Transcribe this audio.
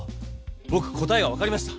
ぼく答えが分かりました。